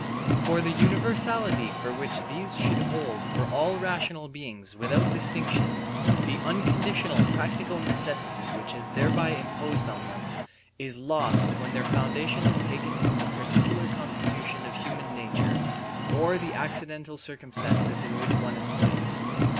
For the universality with which these should hold for all rational beings without distinction, the unconditional practical necessity which is thereby imposed on them, is lost when their foundation is taken from the particular constitution of human nature, or the accidental circumstances in which it is placed.